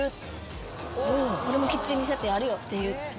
俺もキッチンリセットやるよって言って。